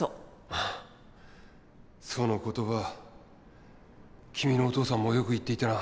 あぁその言葉君のお父さんもよく言っていたな。